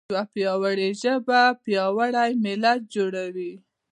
یوه پیاوړې ژبه پیاوړی ملت جوړوي.